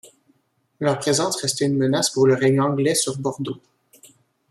Leur présence restait une menace pour le règne anglais sur Bordeaux.